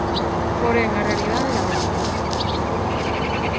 Porén, a realidade era outra.